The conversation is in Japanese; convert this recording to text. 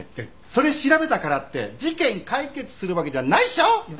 それ調べたからって事件解決するわけじゃないっしょ！？